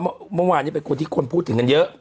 เมื่อวานนี้เป็นคนที่คนพูดถึงกันเยอะ